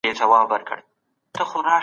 د خبرو لاره د سياسي ستونزو ښه حل دی.